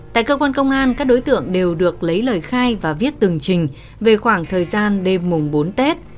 tại cơ quan công an các đối tượng đều được lấy lời khai và viết từng trình về khoảng thời gian đêm mùng bốn tết